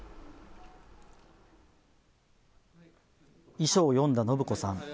遺書を読んだ信子さん。